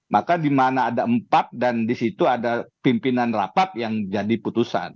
maka dimana ada empat dan disitu ada pimpinan rapat yang jadi putusan